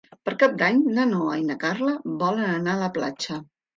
Per Cap d'Any na Noa i na Carla volen anar a la platja.